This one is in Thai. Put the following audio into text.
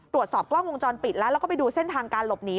ตรวจสอบกล้องวงจรปิดแล้วแล้วก็ไปดูเส้นทางการหลบหนี